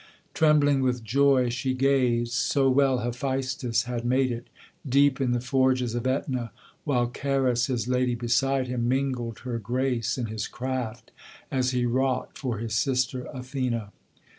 Trembling with joy she gazed, so well Haephaistos had made it, Deep in the forges of AEtna, while Charis his lady beside him Mingled her grace in his craft, as he wrought for his sister Athene.